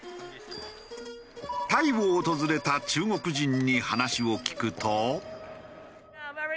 タイを訪れた中国人に話を聞くと。